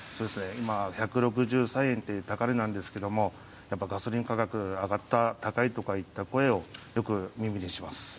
今、１６３円という高値なんですけども、やっぱガソリン価格上がった、高いとかいった声をよく耳にします。